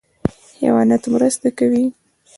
حیوانات مرسته کوي.